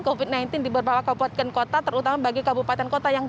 covid sembilan belas di beberapa kabupaten kota terutama bagi kabupaten kota yang